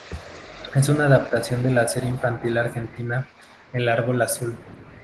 Es una adaptación de la serie infantil argentina "El árbol azul".